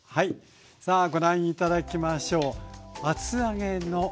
さあご覧頂きましょう。